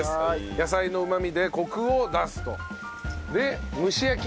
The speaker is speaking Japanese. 野菜のうまみでコクを出すと。で蒸し焼き。